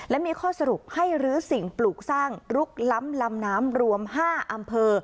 และมีข้อสรุปให้ลื้อสิ่งปลูกสร้างลุกล้ำลำน้ำรวม๕อำเภอ